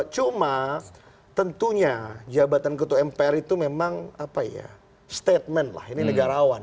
cuma tentunya jabatan ketua mpr itu memang apa ya statement lah ini negarawan